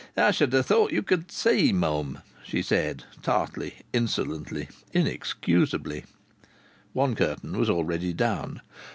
"I should ha' thought you could see, mum," she said tartly, insolently, inexcusably. One curtain was already down.